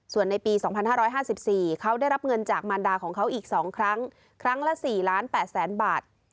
ส่วนในปี๒๕๕๔เขาได้รับเงินจากมารดาของเขาอีก๒ครั้งครั้งละ๔๘๐๐๐บาท